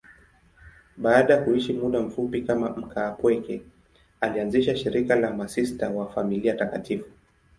Baada ya kuishi muda mfupi kama mkaapweke, alianzisha shirika la Masista wa Familia Takatifu.